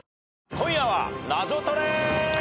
『今夜はナゾトレ』